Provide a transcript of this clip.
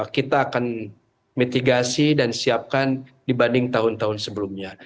kita akan mitigasi dan siapkan dibanding tahun tahun sebelumnya